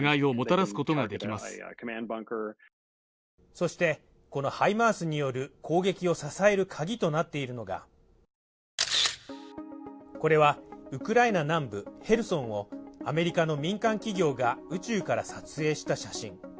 そして、このハイマースによる攻撃を支えるカギとなっているのがこれは、ウクライナ南部ヘルソンをアメリカの民間企業が宇宙から撮影した写真。